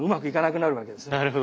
なるほど。